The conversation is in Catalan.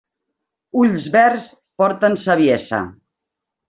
Ulls verds porten saviesa.